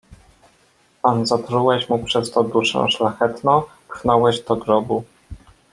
"Pan zatrułeś mu przez to duszę szlachetną, pchnąłeś do grobu!"